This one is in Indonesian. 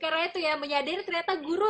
karena itu ya menyadari ternyata guru